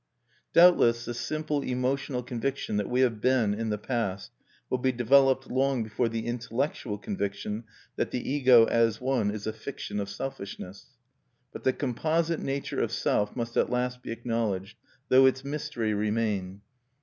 Doubtless the simple emotional conviction that we have been in the past will be developed long before the intellectual conviction that the Ego as one is a fiction of selfishness. But the composite nature of Self must at last be acknowledged, though its mystery remain.